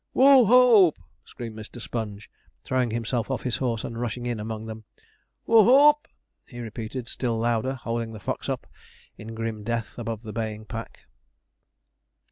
'WHO HOOP!' screamed Mr. Sponge, throwing himself off his horse and rushing in amongst them. 'WHO HOOP!' repeated he, still louder, holding the fox up in grim death above the baying pack.